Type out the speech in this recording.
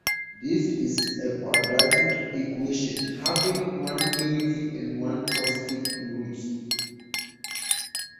This is a quadratic equation, having one negative and one positive root.